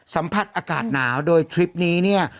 สัมผัสอากาศหนาวโดยทริปนี้เนี่ย